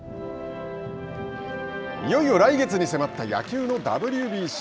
いよいよ来月に迫った野球のＷＢＣ。